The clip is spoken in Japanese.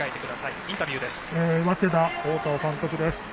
早稲田、大田尾監督です。